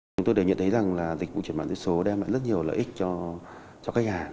chúng tôi đều nhận thấy rằng dịch vụ chuyển mạng giữ số đem lại rất nhiều lợi ích cho khách hàng